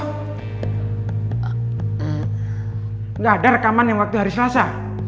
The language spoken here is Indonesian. tidak ada rekaman yang waktu hari selasa